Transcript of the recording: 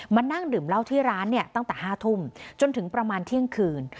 นั่งดื่มเหล้าที่ร้านเนี่ยตั้งแต่๕ทุ่มจนถึงประมาณเที่ยงคืน